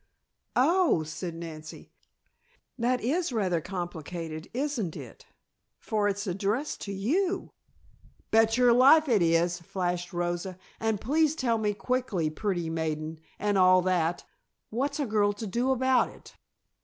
"Oh," said Nancy. "That is rather complicated, isn't it, for it's addressed to you?" "Bet your life it is," flashed Rosa. "And please tell me quickly, pretty maiden, and all that, what's a girl to do about it?"